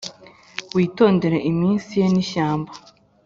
witondere imitsi ye n'ishyamba -